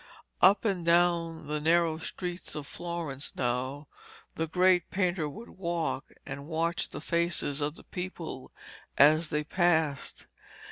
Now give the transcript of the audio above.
Up and down the narrow streets of Florence now, the great painter would walk and watch the faces of the people as they passed.